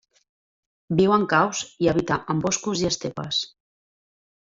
Viu en caus i habita en boscos i estepes.